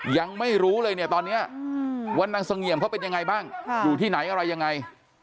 ยังไม่รู้เลยตอนนี้ว่านักสงเหยียมเขาเป็นอย่างไรบ้างอยู่ที่ไหนอะไรอย่างไร